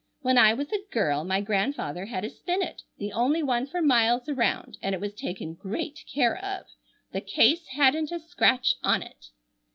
When I was a girl my grandfather had a spinet, the only one for miles around, and it was taken great care of. The case hadn't a scratch on it."